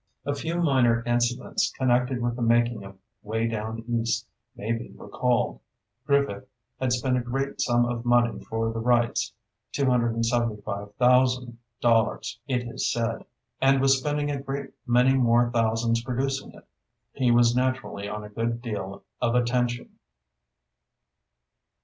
A few minor incidents, connected with the making of "Way Down East," may be recalled: Griffith had spent a great sum of money for the rights—$275,000, it is said—and was spending a great many more thousands producing it. He was naturally on a good deal of a tension.